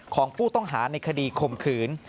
ของผู้ต้องหาในคดีข่มขืน